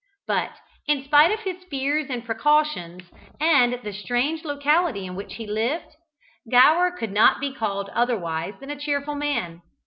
But in spite of his fears and precautions, and the strange locality in which he lived, Gower could not be called otherwise than a cheerful man.